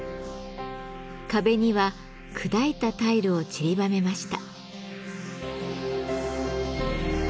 壁には砕いたタイルをちりばめました。